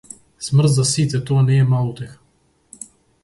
Смрт за сите тоа не е мала утеха.